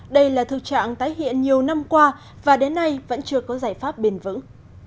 đây là thực trạng tái hiện nhiều năm qua và đến nay vẫn chưa có giải pháp bền vững